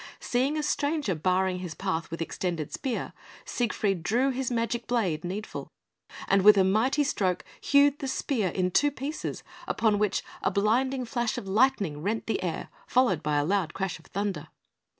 Seeing a stranger barring his path with extended spear, Siegfried drew his magic blade, Needful, and with a mighty stroke hewed the spear in two pieces, upon which a blinding flash of lightning rent the air, followed by a loud crash of thunder.